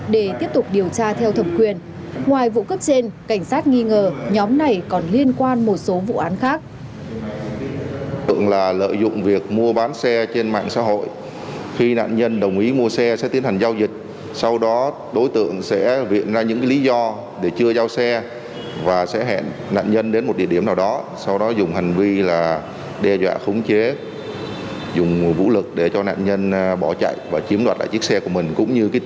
để tiếp tục điều tra theo thẩm quyền ngoài vụ cấp trên cảnh sát nghi ngờ nhóm này còn liên quan một số vụ án khác